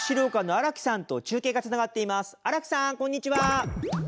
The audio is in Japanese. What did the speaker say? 荒木さんどうもこんにちは。